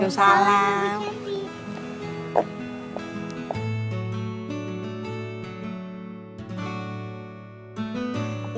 waalaikumsalam ibu cantik